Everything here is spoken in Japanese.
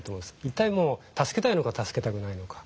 一体もう助けたいのか助けたくないのか。